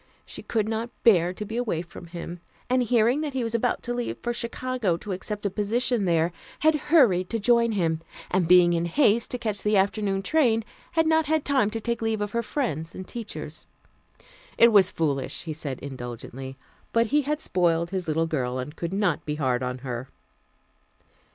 She could not bear to be away from him, and hearing that he was about to leave for Chicago to accept a position there, had hurried to join him, and being in haste to catch the afternoon train, had not had time to take leave of her friends and teachers. It was foolish, he said indulgently, but he had spoiled his little girl, and could not be hard on her.